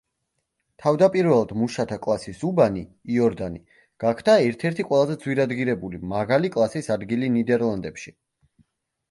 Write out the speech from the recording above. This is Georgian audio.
თავდაპირველად მუშათა კლასის უბანი, იორდანი, გახდა ერთ-ერთი ყველაზე ძვირადღირებული, მაღალი კლასის ადგილი ნიდერლანდებში.